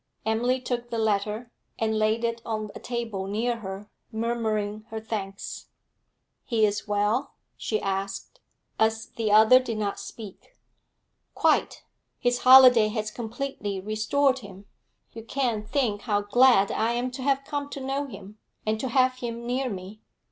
Emily took the letter, and laid it on a table near her, murmuring her thanks. 'He is well?' she asked, as the other did not speak. 'Quite; his holiday has completely restored him. You can't think how glad I am to have come to know him, and to have him near me.